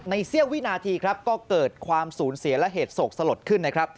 ในเสียวินาทีก็เกิดความสูญเสียและเหตุศกสลดขึ้น